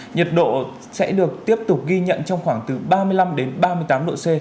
nhiệt độ sẽ được tiếp tục ghi nhận trong khoảng từ ba mươi năm đến ba mươi tám độ c